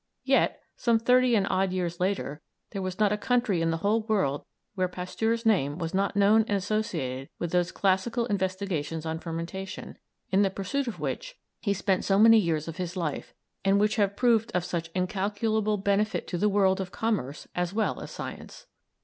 Yet, some thirty and odd years later, there was not a country in the whole world where Pasteur's name was not known and associated with those classical investigations on fermentation, in the pursuit of which he spent so many years of his life, and which have proved of such incalculable benefit to the world of commerce as well as science.